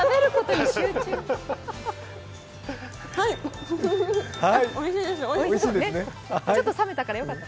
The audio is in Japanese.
はい、おいしいです。